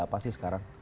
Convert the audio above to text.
seperti apa sih sekarang